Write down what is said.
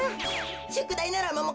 しゅくだいならもも